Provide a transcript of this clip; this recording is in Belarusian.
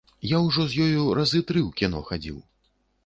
Я ўжо з ёю разы тры ў кіно хадзіў.